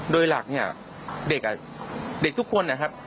โดยหลักเนี่ยเด็กอ่ะเด็กทุกคนนะครับ